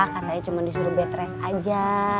katanya cuma disuruh bed rest aja